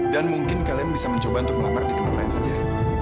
dan mungkin kalian bisa mencoba untuk melamar di tempat lain saja